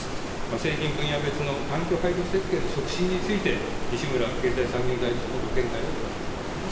製品分野別の環境配慮設計の促進について、西村経済産業大臣のご見解をお伺いしたいと思います。